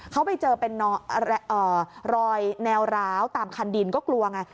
เขาไปเจอเป็นรอยแนวร้าวตามคันดินก็กลัวไง